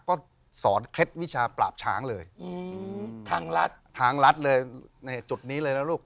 ก็สอนเคล็ดวิชาปราบช้างเลยทางรัฐทางรัฐเลยในจุดนี้เลยนะลูก